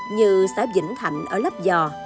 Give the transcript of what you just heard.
như xã vĩnh thạnh ở lắp giò